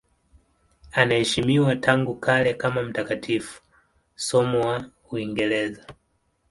Anaheshimiwa tangu kale kama mtakatifu, somo wa Uingereza.